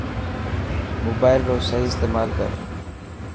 موبائل رو صحيح استعمال